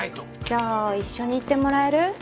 じゃあ一緒に行ってもらえる？